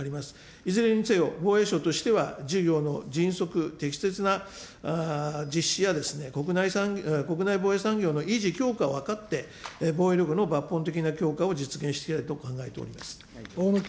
いずれにせよ、防衛省としては、、事業の迅速、適切な実施や、国内防衛産業の維持強化を図って、防衛力の抜本的な強化を実現していきたいと考えております。